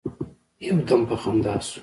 يو دم په خندا سو.